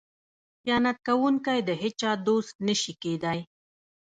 خیانت کوونکی د هیچا دوست نشي کیدی.